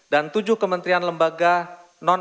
dan tujuh kementerian lembaga non anpt